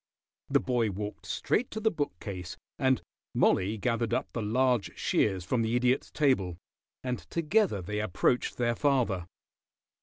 The boy walked straight to the bookcase, and Mollie gathered up the large shears from the Idiot's table, and together they approached their father.